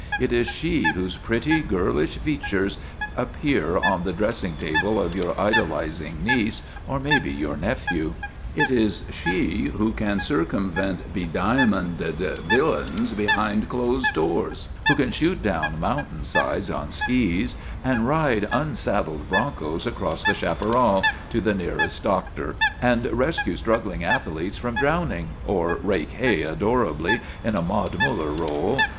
It is she whose pretty, girlish features appear on the dress ing table of your idolizing niece (or maybe your nephew) . It is she who can circumvent bediamonded villains behind closed doors, who can shoot down mountain sides on skis, and ride unsaddled bronchos across the chaparral to the nearest doctor, and rescue struggling athletes from drow r ning, or rake hay adorably in a Maud Muller role.